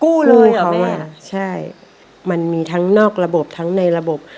คือกู้มันมีทั้งนอกระบบทั้งในระบบ